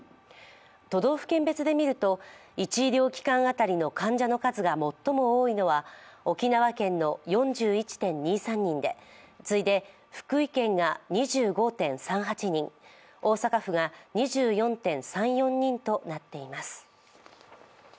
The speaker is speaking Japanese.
都道府県別で見ると、１医療機関当たりの患者の数が最も多いのは沖縄県の４１．２３人で次いで福井県が２５．３８人、大阪府が２４．３４人となっています。